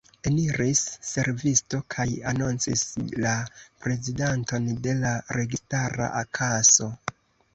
Eniris servisto kaj anoncis la prezidanton de la registara kaso.